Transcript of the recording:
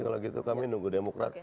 kalau gitu kami nunggu demokrat